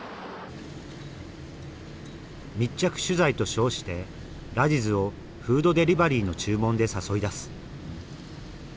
密着取材と称してラジズをフードデリバリーの注文で誘い出す